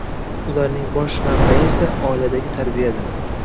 Ularning bosh manbai esa, oiladagi tarbiyadir